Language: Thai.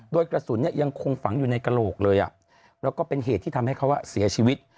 โดยกระสุนเนี่ยยังคงฝังอยู่ในกระโหลกเลยแล้วก็เป็นเหตุที่ทำให้เขาเสียชีวิต